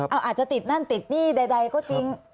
เอาอาจจะติดนั่นติดหนี้ใดก็จริง